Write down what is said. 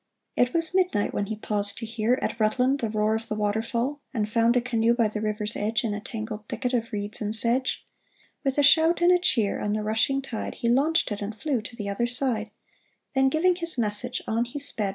It was midnight when he paused to hear t? \ At Rutland, the roar of the waterfall, ^• 0 And found a canoe by the river's edge, In a tangled thicket of reeds and sedge. ". With a shout and a cheer, on the rushing tide He launched it and flew to the other side ; Then giving his message, on he sped.